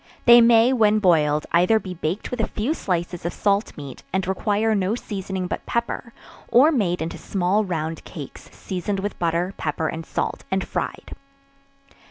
They may, when boiled, either be baked with a few slices of salt meat, and require no seasoning but pepper, or made into small round cakes, seasoned with butter, pepper and salt, and fried.